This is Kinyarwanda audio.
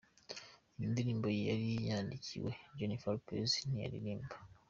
Iyi ndirimbo yari yandikiwe Jennifer Lopez ntiyayiririmba.